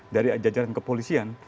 dari jajaran kepolisian